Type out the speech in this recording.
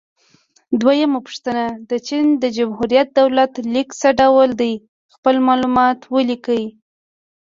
دویمه پوښتنه: د چین د جمهوري دولت لیک څه ډول دی؟ خپل معلومات ولیکئ.